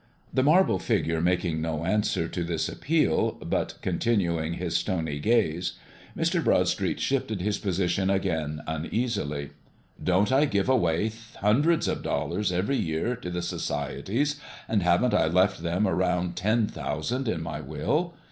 The marble figure making no answer to this appeal, but continuing his stony gaze, Mr. Broadstreet shifted his position again uneasily. "Don't I give away hundreds of dollars every year to the Societies, and haven't I left them a round ten thousand in my will?